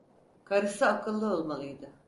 Karısı akıllı olmalıydı.